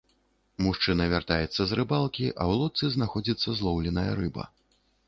Мужчына вяртаецца з рыбалкі, а ў лодцы знаходзіцца злоўленая рыба.